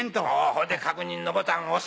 それで確認のボタン押す。